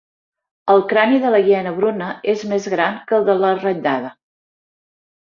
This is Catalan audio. El crani de la hiena bruna és més gran que el de la ratllada.